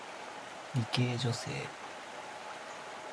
理系女性